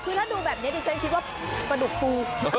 คือถ้าดูแบบนี้ดิฉันคิดว่าปลาดุกฟู